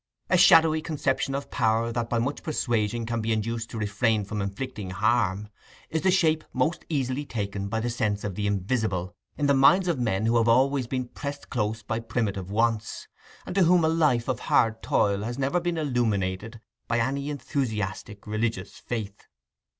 A shadowy conception of power that by much persuasion can be induced to refrain from inflicting harm, is the shape most easily taken by the sense of the Invisible in the minds of men who have always been pressed close by primitive wants, and to whom a life of hard toil has never been illuminated by any enthusiastic religious faith.